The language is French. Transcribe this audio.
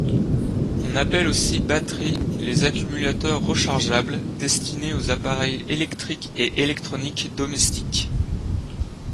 On appelle aussi batteries les accumulateurs rechargeables destinés aux appareils électriques et électroniques domestiques.